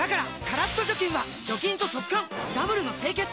カラッと除菌は除菌と速乾ダブルの清潔！